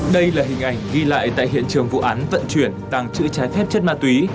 đây là hình ảnh ghi lại tại hiện trường vụ án vận chuyển tàng trữ trái phép chất ma túy